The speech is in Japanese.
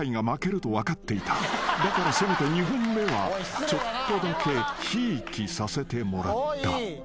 ［だからせめて２本目はちょっとだけひいきさせてもらった］